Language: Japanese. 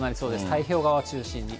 太平洋側を中心に。